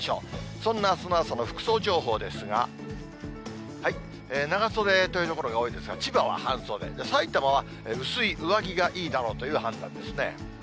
そんなあすの朝の服装情報ですが、長袖という所が多いですが、千葉は半袖、さいたまは薄い上着がいいだろうという判断ですね。